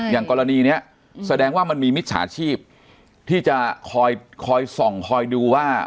อย่างกรณีนี้แสดงว่ามันมีมิจฉาชีพที่จะคอยส่องคอยดูว่า